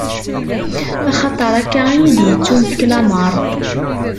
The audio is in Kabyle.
Axaṭer akka i yi-d-ittunefk lameṛ.